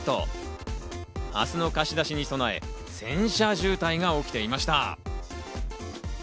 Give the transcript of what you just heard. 明日の貸し出しに備え、洗車渋滞が起きていました。